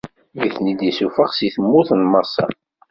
Mi ten-id-issufeɣ si tmurt n Maṣer.